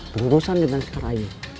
berurusan dengan sekaranyo